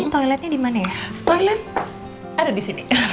toilet ada di sini